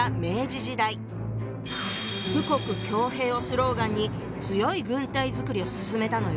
「富国強兵」をスローガンに強い軍隊作りを進めたのよ。